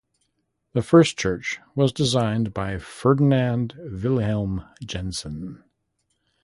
The first church was designed by Ferdinand Vilhelm Jensen.